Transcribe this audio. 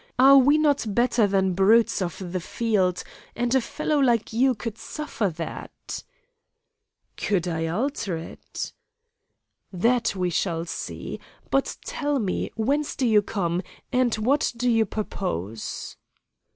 Are we not better than brutes of the field? And a fellow like you could suffer that?' "'Could I alter it?' "'That we shall see. But tell me, whence do you come, and what do you purpose?